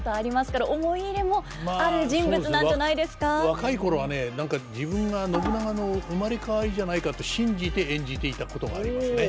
若い頃はね何か自分が信長の生まれ変わりじゃないかと信じて演じていたことがありますね。